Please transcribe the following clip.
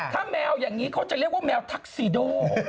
ถ้าแมวแบบนี้คือแมวดำทักซีโด